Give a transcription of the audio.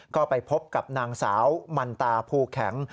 ก็ไปพบกับนางสาวมันตาภูแข็ง